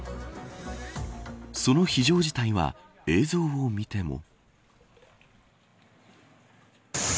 その非常事態は映像を見ても。